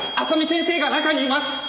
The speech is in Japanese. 麻美先生が中にいます！